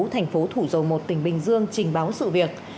thành phố thủ dầu một tỉnh bình dương trình báo sự việc